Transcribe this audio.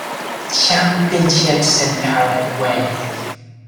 Championships in Paraguay.